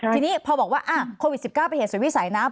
ทีนี้พอบอกว่าโควิด๑๙เป็นเหตุสุดวิสัยนะ